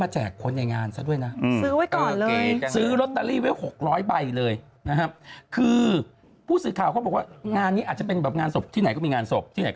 เจอเรื่องนี้อย่างน้อย